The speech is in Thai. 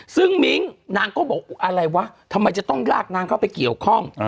ซึ่งมิ้งนางก็บอกอะไรวะทำไมจะต้องลากนางเข้าไปเกี่ยวข้อง